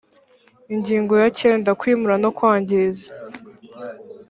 ingingo ya cyenda kwimura no kwangiza